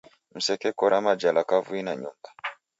Msekekora majala kavui na nyumba